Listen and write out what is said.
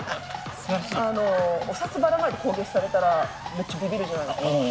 お札ばらまいて攻撃されたらめっちゃビビるじゃないですか。